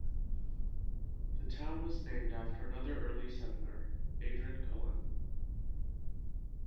The town was named after another early settler, Adrian Cullen.